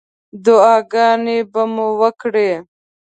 دعاګانې به مو وکړې.